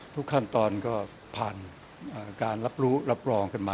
ทุกขั้นตอนก็ผ่านการรับรู้รับรองขึ้นมา